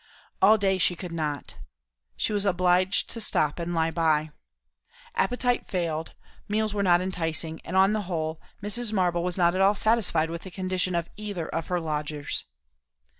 All day she could not. She was obliged to stop and lie by. Appetite failed, meals were not enticing; and on the whole, Mrs. Marble was not at all satisfied with the condition of either of her lodgers.